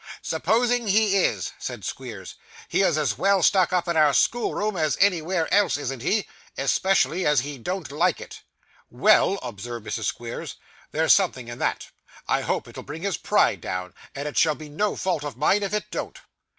'Supposing he is,' said Squeers, 'he is as well stuck up in our schoolroom as anywhere else, isn't he? especially as he don't like it.' 'Well,' observed Mrs. Squeers, 'there's something in that. I hope it'll bring his pride down, and it shall be no fault of mine if it don't.